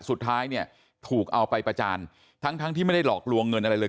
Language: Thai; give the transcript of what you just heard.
สุดท้ายเนี่ยถูกเอาไปประจานทั้งทั้งที่ไม่ได้หลอกลวงเงินอะไรเลย